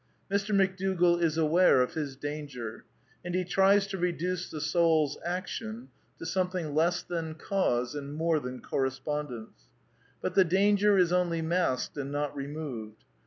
Mr. McDougall is aware of his danger, and he tries to j^ reduce the souPs action to something less than cause ani '"''^ more than correspondence. Eut the danger is only masked and not removed.